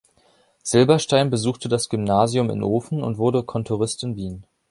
Silberstein besuchte das Gymnasium in Ofen und wurde Kontorist in Wien.